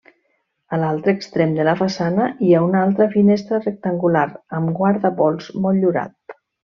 A l'altre extrem de la façana hi ha una altra finestra rectangular, amb guardapols motllurat.